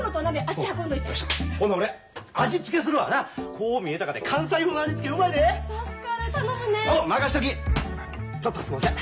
ちょっとすんません。